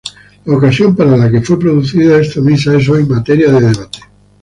La ocasión para la que fue producida esta misa es hoy materia de debate.